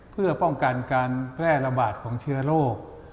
เพื่อป้องกันการแพร่ระบาดของเชื้อโรค